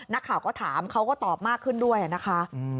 นักข่าวก็ถามเขาก็ตอบมากขึ้นด้วยนะคะ